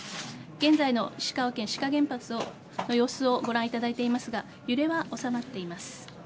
現在の石川県志賀原発の様子をご覧いただいていますが揺れは収まっています。